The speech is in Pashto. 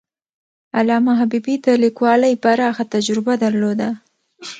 علامه حبيبي د لیکوالۍ پراخه تجربه درلوده.